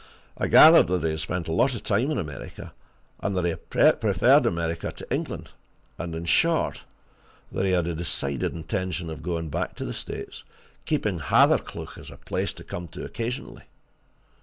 I gathered that he had spent a lot of time in America, that he preferred America to England, and, in short, that he had a decided intention of going back to the States, keeping Hathercleugh as a place to come to occasionally.